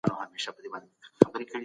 ولسمشر د سولي پروسه نه خرابوي.